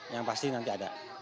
yang pasti nanti ada